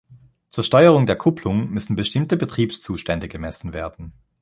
Zur Steuerung der Kupplung müssen bestimmte Betriebszustände gemessen werden.